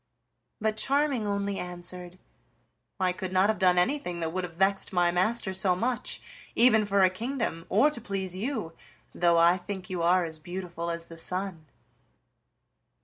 But Charming only answered: "I could not have done anything that would have vexed my master so much, even for a kingdom, or to please you, though I think you are as beautiful as the sun."